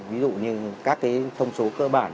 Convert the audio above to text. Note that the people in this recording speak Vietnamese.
ví dụ như các cái thông số cơ bản